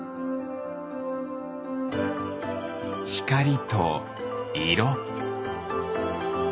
ひかりといろ。